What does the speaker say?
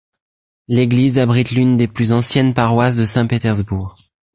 L'église abrite l'une des plus anciennes paroisses de Saint-Pétersbourg.